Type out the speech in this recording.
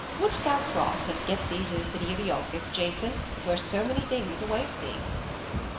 "Wouldst thou cross and get thee to the city of Iolcus, Jason, where so many things await thee?"